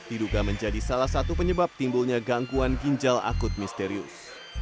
diduga menjadi salah satu penyebab timbulnya gangguan ginjal akut misterius